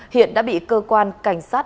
hiện đã bị cơ quan cảnh sát